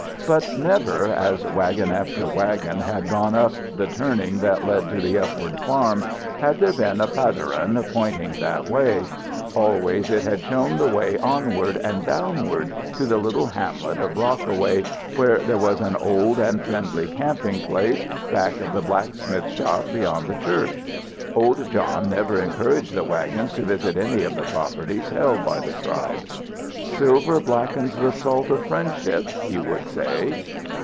But never, as wagon after wagon had gone up the turning that led to the upward farm, had there been a patteran pointing that way. Always, it had shown the way onward and downward, to the little hamlet of Rockaway, where there was an old and friendly camping place, back of the blacksmith shop beyond the church. Old John never encouraged the wagons to visit any of the properties held by the tribe. "Silver blackens the salt of friendship," he would say.